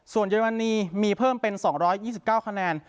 ส่วนเยอรมณีมีเพิ่มเป็นสองร้อยยี่สิบเก้าคะแนน